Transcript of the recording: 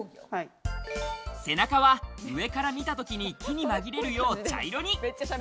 背中は上から見たときに、木に紛れるよう茶色に。